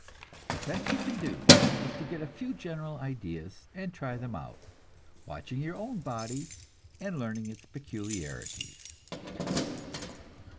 The best you can do is to get a few general ideas and try them out, watching your own body and learning its peculiarities.